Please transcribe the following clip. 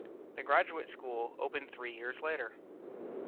The graduate school opened three years later.